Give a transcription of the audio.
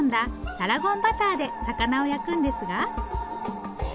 タラゴンバターで魚を焼くんですが。